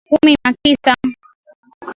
kumi na tisa